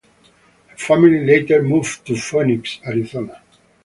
Her family later moved to Phoenix, Arizona.